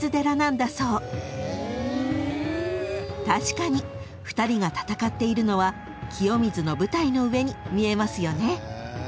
［確かに２人が戦っているのは清水の舞台の上に見えますよね］